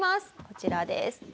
こちらです。